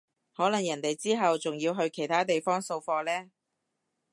可能人哋之後仲要去其他地方掃貨呢